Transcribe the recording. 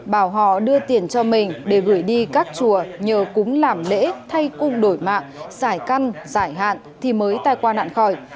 bảo họ đưa tiền cho mình để gửi đi các chùa nhờ cúng làm lễ thay cung đổi mạng giải căn giải hạn thì mới tài quan hạn khỏi